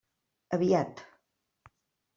Aviat.